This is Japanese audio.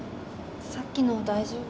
さっきの大丈夫？